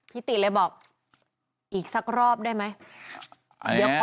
ติเลยบอกอีกสักรอบได้ไหม